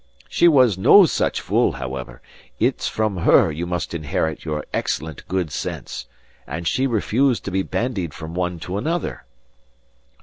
She was no such fool, however; it's from her you must inherit your excellent good sense; and she refused to be bandied from one to another.